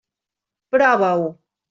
Prova-ho.